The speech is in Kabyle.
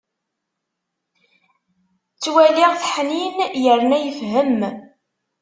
Ttwaliɣ-t ḥnin yerna yefhem.